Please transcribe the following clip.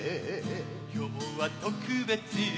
今日は特別